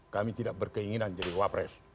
kami tidak berkeinginan jadi wapres